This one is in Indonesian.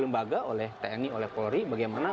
lembaga oleh tni oleh polri bagaimana